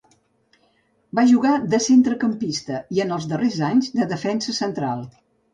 Va jugar de centrecampista i, en els darrers anys, de defensa central.